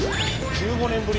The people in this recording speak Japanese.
１５年ぶり！